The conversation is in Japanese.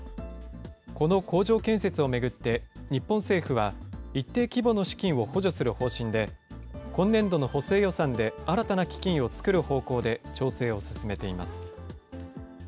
この工場建設を巡って、日本政府は、一定規模の資金を補助する方針で、今年度の補正予算で新たな基金を作る方向で、調整を進めています。